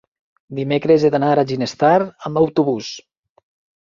dimecres he d'anar a Ginestar amb autobús.